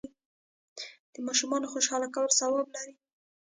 د ماشومانو خوشحاله کول ثواب لري.